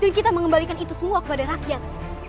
dan kita mengembalikan itu semua kepada rakyat